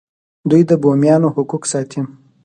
دوی د بومیانو حقوق ساتي.